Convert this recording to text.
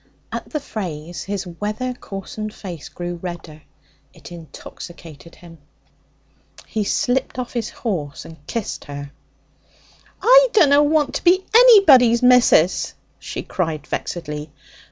At the phrase his weather coarsened face grew redder. It intoxicated him. He slipped off his horse and kissed her. 'I dunna want to be anybody's missus!' she cried vexedly.